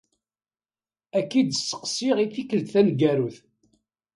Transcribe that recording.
Ad k-id-sseqsiɣ i tikelt tameggarut.